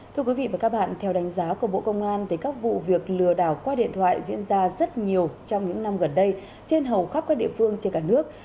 thưa quý vị và các bạn theo đánh giá của bộ công an các vụ việc lừa đảo qua điện thoại diễn ra rất nhiều trong những năm gần đây trên hầu khắp các địa phương trên cả nước